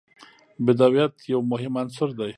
بدویت یو مهم عنصر دی.